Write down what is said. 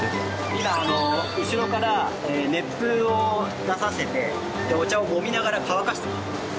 今後ろから熱風を出させてでお茶を揉みながら乾かしていってます。